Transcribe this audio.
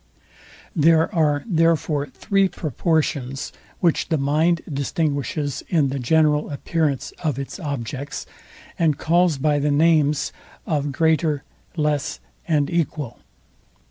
There are therefore three proportions, which the mind distinguishes in the general appearance of its objects, and calls by the names of greater, less and equal.